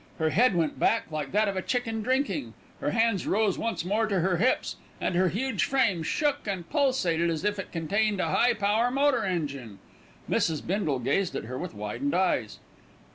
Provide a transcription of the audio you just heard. Her head went back like that of a chicken drinking, her hands rose once more to her hips, and her huge frame shook and pulsated as if it contained a high power motor engine. Mrs. Bindle gazed at her with widened eyes.